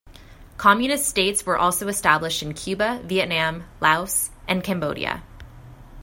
Communist states were also established in Cuba, Vietnam, Laos, and Cambodia.